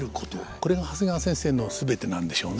これが長谷川先生の全てなんでしょうね。